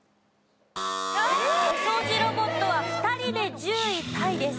お掃除ロボットは２人で１０位タイです。